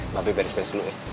mabih beres beres dulu ya